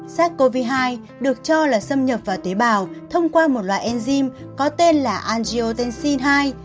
sát covid hai được cho là xâm nhập vào tế bào thông qua một loại enzim có tên là angiotensin hai